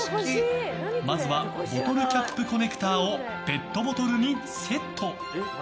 まずはボトルキャップコネクターをペットボトルにセット。